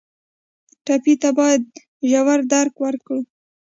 ټپي ته باید ژور درک وکړو.